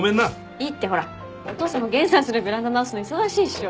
いいってほらお父さんは源さんちのベランダ直すのに忙しいっしょ。